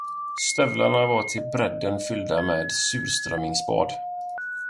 Stövlarna var till brädden fyllda med surströmmingsspad.